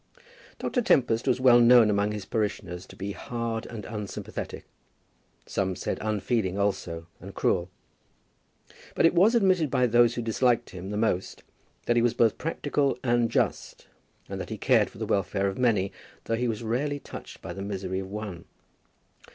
Dr. Tempest was well known among his parishioners to be hard and unsympathetic, some said unfeeling also, and cruel; but it was admitted by those who disliked him the most that he was both practical and just, and that he cared for the welfare of many, though he was rarely touched by the misery of one.